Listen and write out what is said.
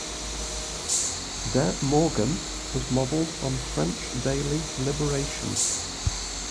"De Morgen" was modelled on French daily "Liberation".